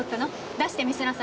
出して見せなさい。